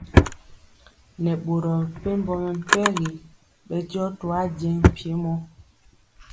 Nɛ boro mepempɔ mɛmpegi bɛndiɔ toajeŋg mpiemɔ.